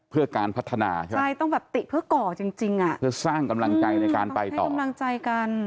เพื่อการพัฒนาใช่ไหมทำให้กำลังใจกัน